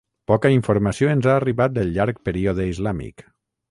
Poca informació ens ha arribat del llarg període islàmic.